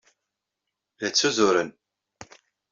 La ttuzuren.